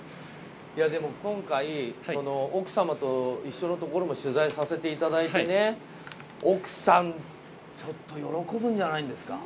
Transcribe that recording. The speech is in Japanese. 今回、奥様と一緒のところも取材させてもらってね、奥さん、ちょっと喜ぶんじゃないですか？